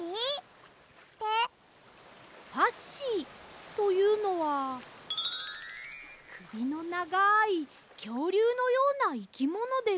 ファッシーというのはくびのながいきょうりゅうのようないきものです。